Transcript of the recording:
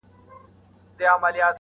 دا نور وزېږي- زلمي سي- بیا زاړه سي-